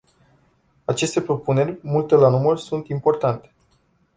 Aceste propuneri, multe la număr, sunt importante.